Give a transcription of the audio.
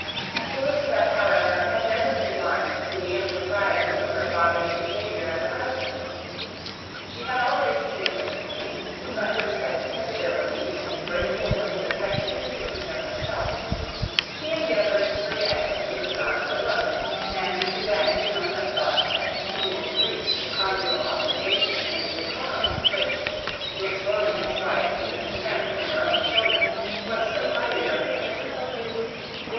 Elizabeth, however, had never been blind to the impropriety of her father's behaviour as a husband. She had always seen it with pain; but respecting his abilities, and grateful for his affectionate treatment of herself, she endeavoured to forget what she could not overlook, and to banish from her thoughts that continual breach of conjugal obligation and decorum which, in exposing his wife to the contempt of her own children, was so highly reprehensible.